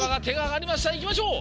いきましょう！